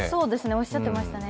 おっしゃっていましたね。